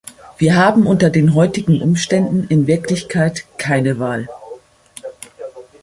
Wir haben unter den heutigen Umständen in Wirklichkeit keine Wahl.